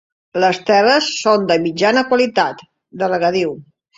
Les terres són de mitjana qualitat, de regadiu.